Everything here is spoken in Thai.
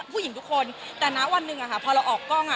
ผู้หญิงทุกคนแต่นะวันหนึ่งพอเราออกกล้อง